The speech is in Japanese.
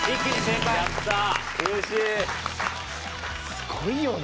すごいよな。